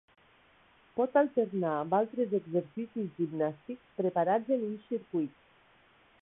Pot alternar amb altres exercicis gimnàstics preparats en uns circuits.